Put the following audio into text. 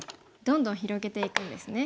どんどん広げていくんですね。